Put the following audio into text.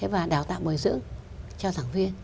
và đào tạo bồi dưỡng cho giảng viên